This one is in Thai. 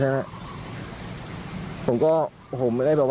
แกล้งเด็กผมเด็กอายุแค่นั้น